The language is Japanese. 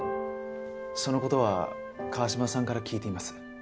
その事は川島さんから聞いています。